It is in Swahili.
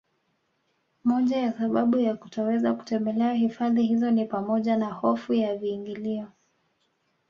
Moja ya sababu ya kutoweza kutembelea hifadhi hizo ni pamoja na hofu ya viingilio